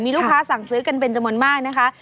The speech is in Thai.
ลูกค้าสั่งซื้อกันเป็นจำนวนมากนะคะ